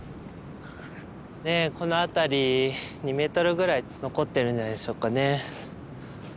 ねえこの辺り２ｍぐらい残ってるんじゃないでしょうかね。